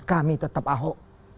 kami tetap ahok